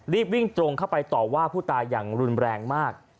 รีบวิ่งตรงเข้าไปต่อว่าผู้ตายอย่างรุนแรงมาก